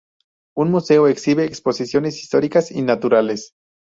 Un museo exhibe exposiciones históricas y naturales.